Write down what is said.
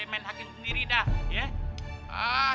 saya main hakim sendiri dah